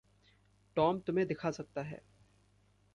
Tom तुम्हें दिखा सकता है।